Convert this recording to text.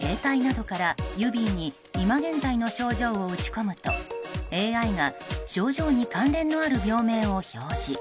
携帯などからユビーに今現在の症状を打ち込むとＡＩが症状に関連のある病名を表示。